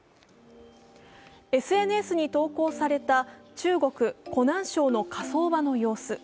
ＳＮＳに投稿された中国・湖南省の火葬場の様子。